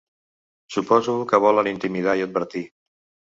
Suposo que volen intimidar i advertir.